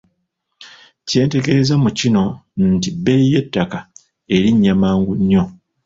Kyentegeeza mu kino nti bbeeyi y’ettaka erinnya mangu nnyo.